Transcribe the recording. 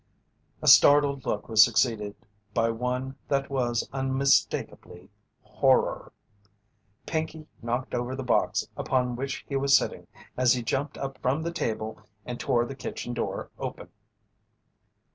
A startled look was succeeded by one that was unmistakably horror. Pinkey knocked over the box upon which he was sitting as he jumped from the table and tore the kitchen door open.